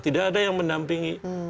tidak ada yang mendampingi